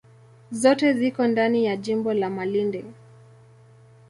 Zote ziko ndani ya jimbo la Malindi.